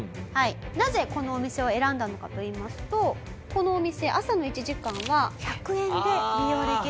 なぜこのお店を選んだのかといいますとこのお店朝の１時間は１００円で利用できる。